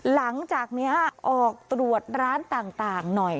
หลังจากนี้ออกตรวจร้านต่างหน่อย